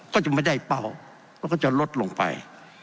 ก็จะไม่ได้เป้าแล้วก็จะลดลงไป